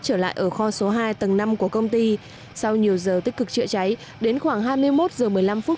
trở lại ở kho số hai tầng năm của công ty sau nhiều giờ tích cực chữa cháy đến khoảng hai mươi một h một mươi năm